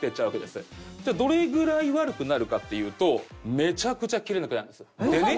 じゃあどれぐらい悪くなるかっていうとめちゃくちゃ切れなくなるんです。